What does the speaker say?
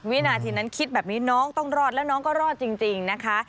วินาทีนั้นคิดแบบนี้น้องต้องรอดแล้วน้องก็รอดจริงนะคะ